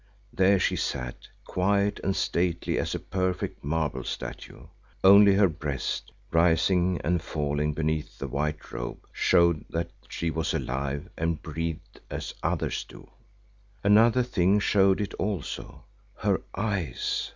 There she sat, quiet and stately as a perfect marble statue; only her breast, rising and falling beneath the white robe, showed that she was alive and breathed as others do. Another thing showed it also—her eyes.